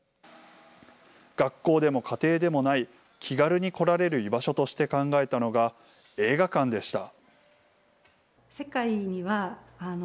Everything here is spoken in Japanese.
学校でも家庭でもない、気軽に来られる居場所として考えたのが、映画館でした。